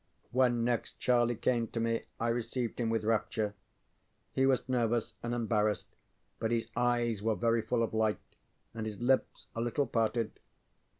When next Charlie came to me I received him with rapture. He was nervous and embarrassed, but his eyes were very full of light, and his lips a little parted.